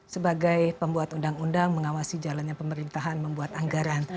sebagai pembuat undang undang mengawasi jalannya pemerintahan membuat anggaran